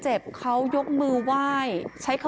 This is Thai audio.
โอ้โหเป็นเกิดขึ้นกันก่อนค่ะ